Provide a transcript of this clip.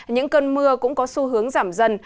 những cơn mưa cũng có xu hướng giảm dần